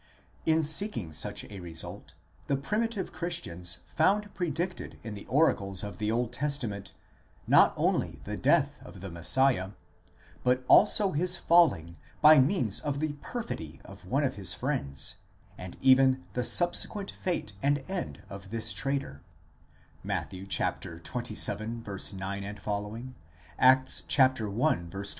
In seeking such a result, the primitive Chris tians found predicted in the oracles of the Old Testament, not only the death of the Messiah, but also his falling by means of the perfidy of one of his friends, and even the subsequent fate and end of this traitor (Matt. xxvii. of. 5 7 See De Wette, in loc, : 630 PART Ill. CHAPTER If. § 123.